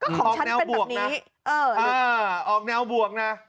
ก็ของฉันเป็นแบบนี้ออกแนวบวกนะ